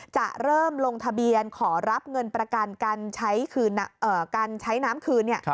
จะเริ่มลงทะเบียนขอรับเงินประกันการใช้น้ำคืน